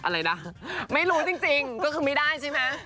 อะไรนะไม่รู้จริงก็คือไม่ได้ใช่ไหม